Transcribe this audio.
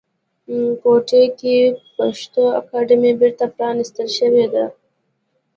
کوټې کې پښتو اکاډمۍ بیرته پرانیستل شوې ده